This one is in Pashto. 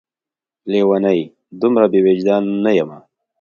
لېونۍ! دومره بې وجدان نه یمه